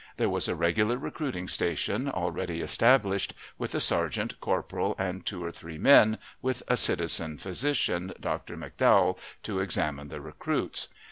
There was a regular recruiting station already established, with a sergeant, corporal, and two or three men, with a citizen physician, Dr. McDowell, to examine the recruits.